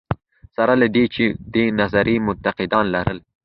سره له دې چې دې نظریې منتقدان لرل.